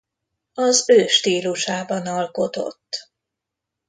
Az ő stílusában alkotott.